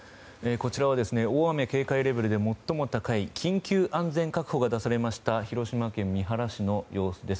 こちらは大雨警戒レベルで最も高い緊急安全確保が出された広島県三原市の様子です。